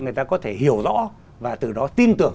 người ta có thể hiểu rõ và từ đó tin tưởng